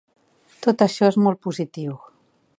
Tot això és molt positiu.